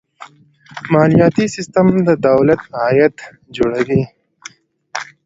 مالیاتي سیستم د دولت عاید جوړوي.